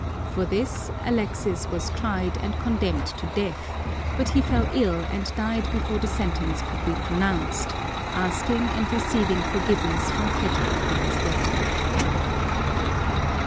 For this Alexis was tried and condemned to death, but he fell ill and died before the sentence could be pronounced, asking and receiving forgiveness from Peter on his deathbed.